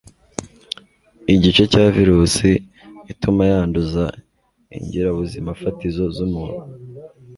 igice cya virusi ituma yanduza ingirabuzimafatizo z'umuntu